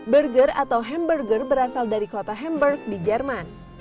burger atau hamburger berasal dari kota hamburg di jerman